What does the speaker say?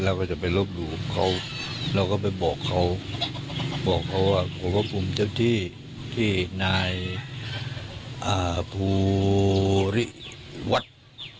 เราก็ไปบอกเขาบอกเขาว่าผมก็ภูมิเจ้าที่ที่นายอ่าภูริวัฒน์